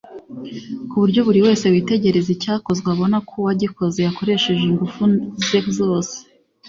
kuburyo buri wese witegereza icyakozwe abona ko uwagikoze yakoresheje ingufu ze zose